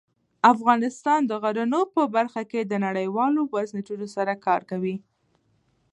افغانستان د غرونه په برخه کې نړیوالو بنسټونو سره کار کوي.